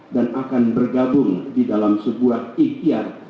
dan akan bergabung di dalam sebuah ikhtiar